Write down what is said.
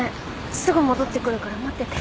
すぐ戻ってくるから待ってて。